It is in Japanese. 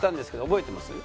覚えてますよ。